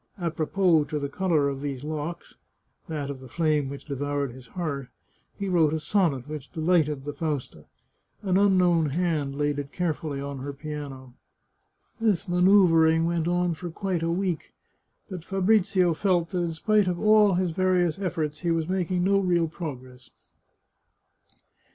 A propos to the colour of these locks — that of the flame which devoured his heart — he wrote a sonnet which delighted the Fausta. An unknown hand had laid it carefully on her piano. This manoeuvring went on for quite a week, but Fabrizio felt that in spite of all his various efforts, he was making no real prc^gress.